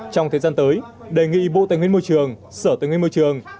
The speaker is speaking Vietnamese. trong thời gian tới đề nghị bộ tài nguyên môi trường sở tài nguyên môi trường